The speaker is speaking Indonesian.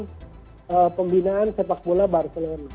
pembinaan sepak bola barcelona